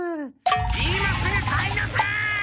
今すぐ帰りなさい！